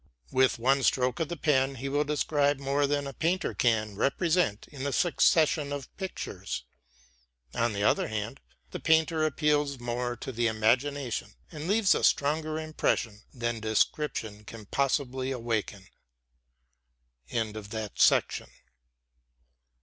With one stroke of the pen he will describe more than a painter can represent in a succession of pictures. On the other hand, the painter appeals more to the imagination, and leaves a stronger impression than description can possibly awaken.